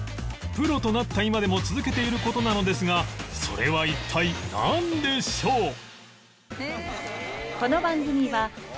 プロとなった今でも続けている事なのですがそれは一体なんでしょう？